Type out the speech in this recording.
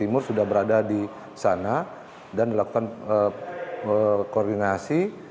timur sudah berada di sana dan dilakukan koordinasi